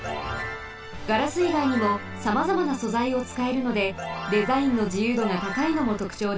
ガラスいがいにもさまざまな素材をつかえるのでデザインのじゆうどがたかいのもとくちょうです。